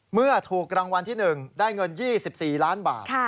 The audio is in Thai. เมื่อถูกรางวัลที่๑ได้เงิน๒๔ล้านบาท